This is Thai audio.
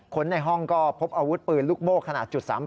ในห้องก็พบอาวุธปืนลูกโม่ขนาด๓๘